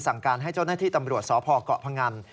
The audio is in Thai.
สั่งการให้เจ้าหน้าที่ตำรวจสพเกาะพงัน